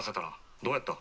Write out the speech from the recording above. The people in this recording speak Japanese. どうやった？」。